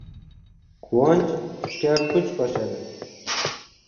Quvonch kuchga kuch qo‘shadi.